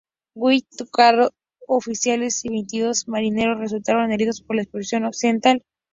White, cuatro oficiales y veintidós marineros resultaron heridos por la explosión accidental.